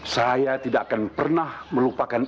saya tidak akan pernah melupakan